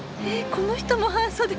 この人も半袖！